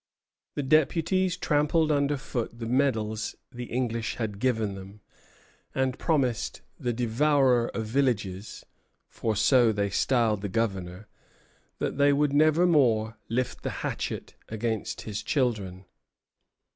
The deputies trampled under foot the medals the English had given them, and promised the "Devourer of Villages," for so they styled the Governor, that they would never more lift the hatchet against his children.